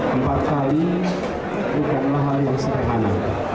empat kali bukanlah hal yang sederhana